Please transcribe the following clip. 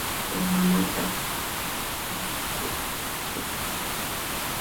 তুমি ওমর জাফরের জন্য কোহিনূর চুরি করেছো?